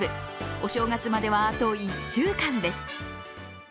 お正月までは、あと１週間です。